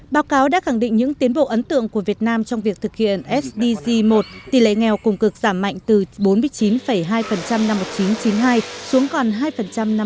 báo cáo đã khẳng định những tiến bộ ấn tượng của việt nam trong việc thực hiện sdg một tỷ lệ nghèo cùng cực giảm mạnh từ bốn mươi chín hai năm một nghìn chín trăm chín mươi hai xuống còn hai năm hai nghìn một mươi